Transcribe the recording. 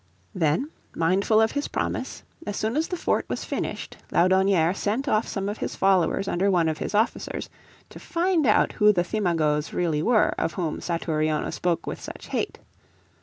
Then, mindful of his promise, as soon as the fort was finished, Laudonnière sent off some of his followers under one of his officers to find out who the Thimagoes really were of whom Satouriona spoke with such hate.